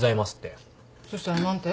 そしたら何て？